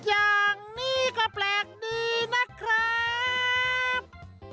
อย่างนี้ก็แปลกดีนะครับ